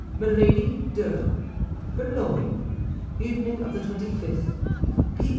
"MILADY DE —— "BOULOGNE, evening of the twenty fifth. "P.